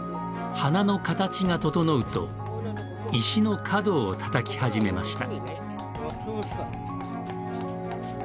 花の形が整うと石の角を叩き始めました。